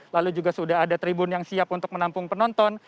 lalu juga sudah ada tribun yang siap untuk menampung penonton